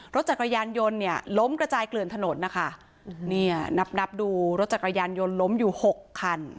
รถจักรยานยนต์เนี่ยล้มกระจายเกลื่อนถนนนะคะเนี่ยนับนับดูรถจักรยานยนต์ล้มอยู่หกคัน